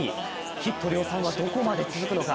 ヒット量産はどこまで続くのか。